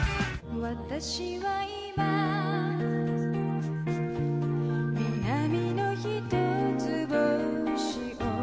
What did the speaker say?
「私は今南の一つ星を」